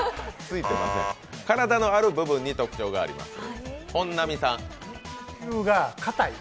体のある部分に特徴があります。